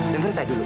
dengar saya dulu